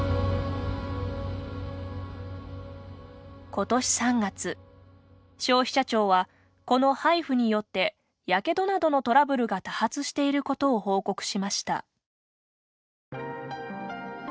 今年３月、消費者庁はこのハイフによってやけどなどのトラブルが多発していることを報告しました。